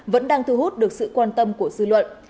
vẫn đang thu hút được sự quan tâm của dư luận